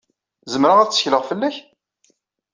Zemreɣ ad ttekleɣ fell-ak?